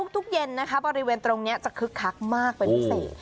เย็นนะคะบริเวณตรงนี้จะคึกคักมากเป็นพิเศษ